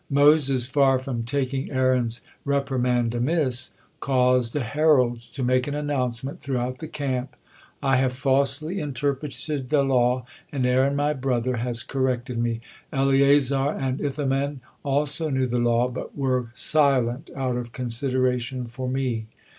Moses, far from taking Aaron's reprimand amiss, caused a herald to make an announcement throughout the camp: "I have falsely interpreted the law, and Aaron, my brother, has corrected me. Eleazar and Ithaman also knew the law, but were silent out of consideration for me."